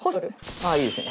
あっいいですか？